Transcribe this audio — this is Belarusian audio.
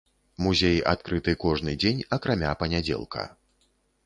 Музей адкрыты кожны дзень акрамя панядзелка.